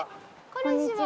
こんにちは。